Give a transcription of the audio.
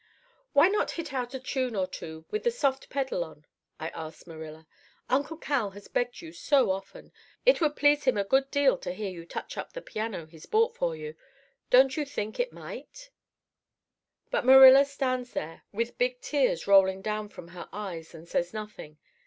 "'Why not hit out a tune or two with the soft pedal on?' I asks Marilla. 'Uncle Cal has begged you so often. It would please him a good deal to hear you touch up the piano he's bought for you. Don't you think you might?' "But Marilla stands there with big tears rolling down from her eyes and says nothing.